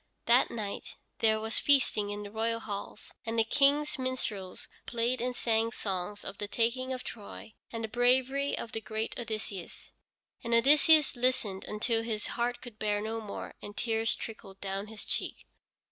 That night there was feasting in the royal halls, and the King's minstrels played and sang songs of the taking of Troy, and of the bravery of the great Odysseus. And Odysseus listened until his heart could bear no more, and tears trickled down his cheeks.